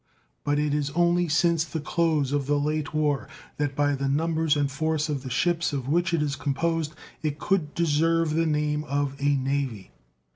But it is only since the close of the late war that by the numbers and force of the ships of which it was composed it could deserve the name of a navy.